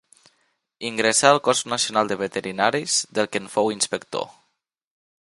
Ingressà al Cos Nacional de Veterinaris, del que en fou Inspector.